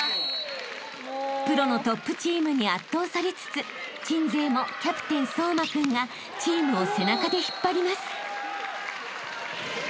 ［プロのトップチームに圧倒されつつ鎮西もキャプテン颯真君がチームを背中で引っ張ります］